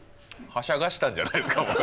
はしゃがしたんじゃないですか。